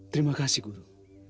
terima kasih guru